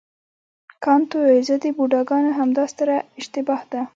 کانت وویل نه د بوډاګانو همدا ستره اشتباه ده.